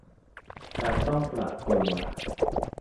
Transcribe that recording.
การต้องปรับตัว